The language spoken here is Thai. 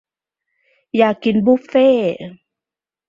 อยากกินบุฟเฟ่